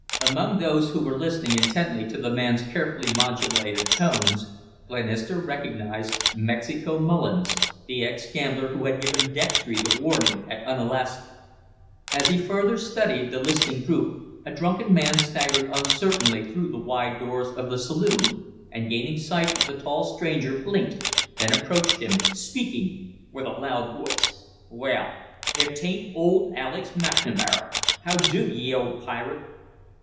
Among those who were listening intently to the man's carefully modulated tones, Glenister recognized Mexico Mullins, the ex gambler who had given Dextry the warning at Unalaska. As he further studied the listening group, a drunken man staggered uncertainly through the wide doors of the saloon and, gaining sight of the tall stranger, blinked, then approached him, speaking with a loud voice: "Well, if 'tain't ole Alec McNamara! How do, ye ole pirate!"